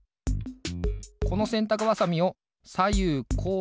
このせんたくばさみをさゆうこう